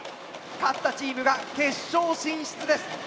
勝ったチームが決勝進出です。